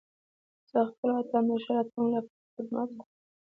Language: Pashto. زه خپل وطن د ښه راتلونکي لپاره خدمت کوم.